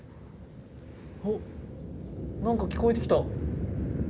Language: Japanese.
おっなんか聞こえてきた。